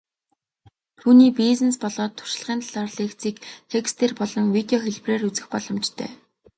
Түүний бизнес болоод туршлагын талаарх лекцийг текстээр болон видео хэлбэрээр үзэх боломжтой.